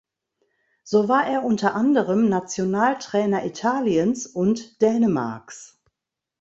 So war er unter anderem Nationaltrainer Italiens und Dänemarks.